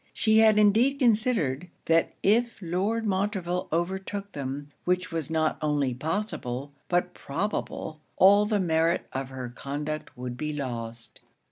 She had indeed considered, that if Lord Montreville overtook them, which was not only possible but probable, all the merit of her conduct would be lost.